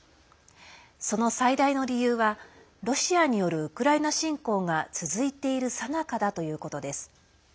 その最大の理由はロシアによるウクライナ侵攻が続いているさなかだということです。